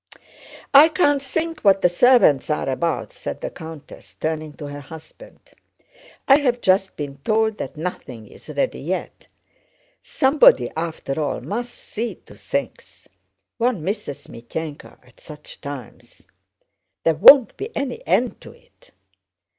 "I can't think what the servants are about," said the countess, turning to her husband. "I have just been told that nothing is ready yet. Somebody after all must see to things. One misses Mítenka at such times. There won't be any end to it."